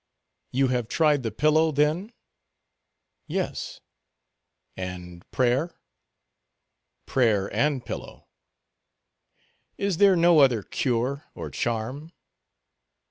"You have tried the pillow, then?" "Yes." "And prayer?" "Prayer and pillow." "Is there no other cure, or charm?"